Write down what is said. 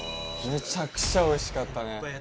めちゃくちゃおいしかったね。